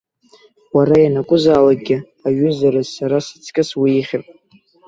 Уара ианакәызаалакгьы аҩызараз сара сыҵкыс уеиӷьын.